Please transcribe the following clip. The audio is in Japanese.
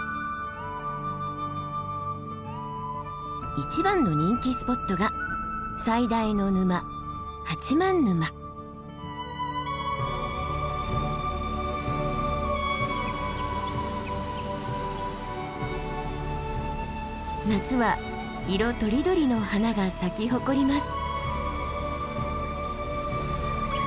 一番の人気スポットが最大の沼夏は色とりどりの花が咲き誇ります。